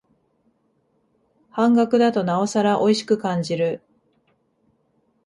半額だとなおさらおいしく感じる